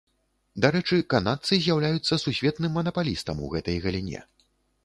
Дарэчы, канадцы з'яўляюцца сусветным манапалістам у гэтай галіне.